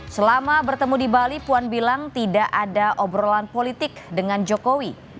selama bertemu di bali puan bilang tidak ada obrolan politik dengan jokowi